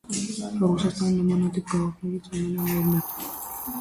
Ռուսաստանի նմանատիպ գաղութներից ամենանորն է։